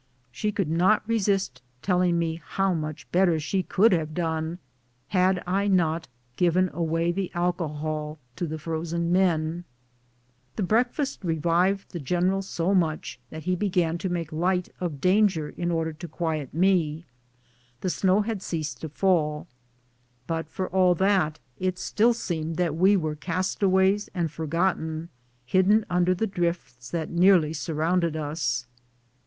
She could not re sist telling me how much better she could have done had I not given away the alcohol, to the frozen men ! The breakfast revived the general so much that he began to make light of danger in order to quiet me. Tlie snow had ceased to fall, but for all that it still seemed that we were castaways and forgotten, hidden under the drifts that nearly surrounded us.